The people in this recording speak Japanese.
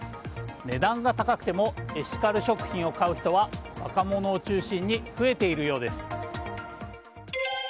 値段が高くてもエシカル食品を買う人は若者を中心に増えているようです。